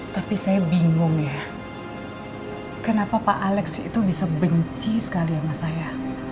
tapi saya bingung ya kenapa pak alex itu bisa benci sekali sama saya